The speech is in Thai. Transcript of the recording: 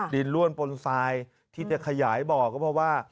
ล่วนปนทรายที่จะขยายบ่อก็เพราะว่า